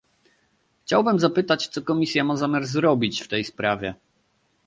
Chciałbym zapytać, co Komisja ma zamiar zrobić w tej sprawie